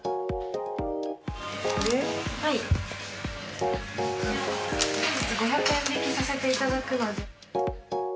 本日５００円引きさせていただくので。